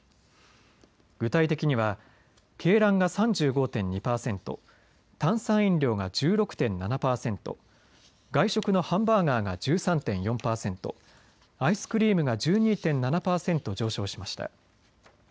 具体的には鶏卵が３５．２％、炭酸飲料が１６．７％、外食のハンバーガーが１３．４％、アイスクリームが１２．７％上昇しました。